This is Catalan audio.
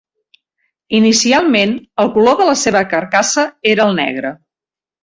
Inicialment, el color de la seva carcassa era el negre.